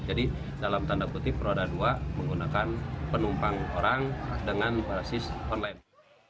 jadi dalam tanda kutip roda dua menggunakan penumpang orang dengan basis online